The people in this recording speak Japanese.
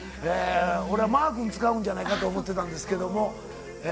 俺はマー君を使うんじゃないかなと思っていたんですけど。